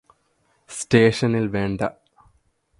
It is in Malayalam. സ്റ്റേഷനില് വേണ്ട